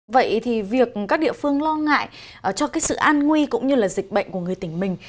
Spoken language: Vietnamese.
vậy thì việc các địa phương lo ngại cho cái sự an nguy cũng như là dịch bệnh của người tỉnh mình